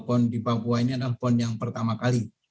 pon di papua ini adalah pon yang pertama kali